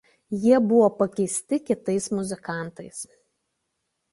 Jie buvo pakeisti kitais muzikantais.